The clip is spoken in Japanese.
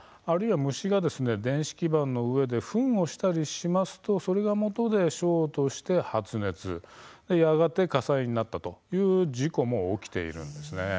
虫が電子基板の上でふんをしたりしますとそれがもとでショートして発熱やがて火災になったという事故も起きているんです。